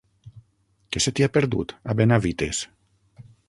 Què se t'hi ha perdut, a Benavites?